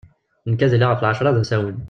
Nekk ad iliɣ ɣef lɛacra d asawen.